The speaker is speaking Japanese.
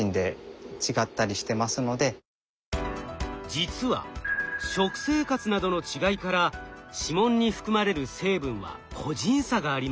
実は食生活などの違いから指紋に含まれる成分は個人差があります。